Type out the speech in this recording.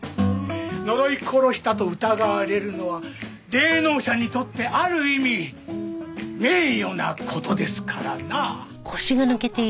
呪い殺したと疑われるのは霊能者にとってある意味名誉な事ですからなあ。